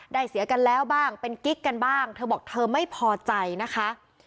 เสียกันแล้วบ้างเป็นกิ๊กกันบ้างเธอบอกเธอไม่พอใจนะคะ